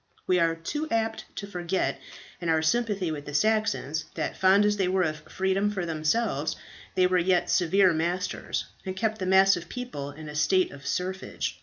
We are too apt to forget, in our sympathy with the Saxons, that fond as they were of freedom for themselves, they were yet severe masters, and kept the mass of the people in a state of serfage.